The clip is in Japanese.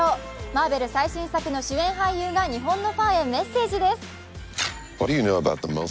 マーベル最新作の主演俳優が日本のファンへメッセージです。